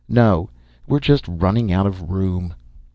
No, we're just running out of room."